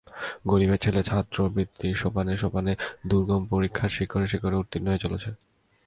গরিবের ছেলে, ছাত্রবৃত্তির সোপানে সোপানে দুর্গম পরীক্ষার শিখরে শিখরে উত্তীর্ণ হয়ে চলেছে।